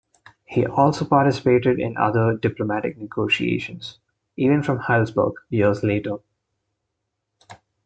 He also participated in other diplomatic negotiations, even from Heilsberg years later.